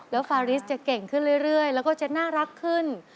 แล้วฟาริสจะเก่งขึ้นเรื่อยแล้วก็จะน่ารักขึ้น